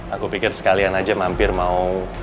aku pikir sekalian aja mampir mau